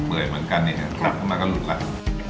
เปื่อยเหมือนกันสมัครก็ดุแล้ว